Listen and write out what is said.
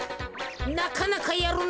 なかなかやるな。